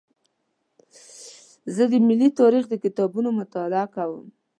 زه د ملي تاریخ د کتابونو مطالعه کوم.